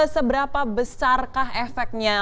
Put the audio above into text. seberapa besarkah efeknya